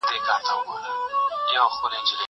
هغه وويل چي سیر ګټور دی!!